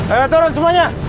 ayo turun semuanya